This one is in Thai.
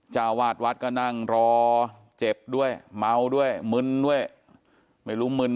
เจ้าวาดวัดก็นั่งรอเจ็บด้วยเมาด้วยมึนด้วยไม่รู้มึน